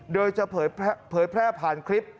โดยจะเผยแพร่ผ่านคลิป